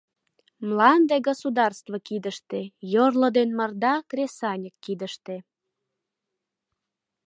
Мланде государство кидыште, йорло ден марда кресаньык кидыште.